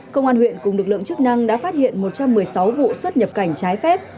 công an huyện cùng lực lượng chức năng đã phát hiện một trăm một mươi sáu vụ xuất nhập cảnh trái phép